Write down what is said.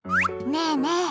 ねえねえ